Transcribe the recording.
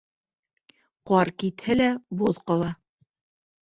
Ҡар китһә лә, боҙ ҡала.